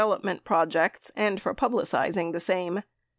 395 projects and for publicizing the same.